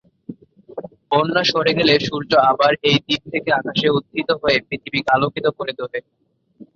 বন্যা সরে গেলে সূর্য আবার এই দ্বীপ থেকেই আকাশে উত্থিত হয়ে পৃথিবীকে আলোকিত করে তোলে।